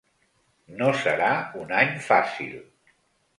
No serà un any fàcil.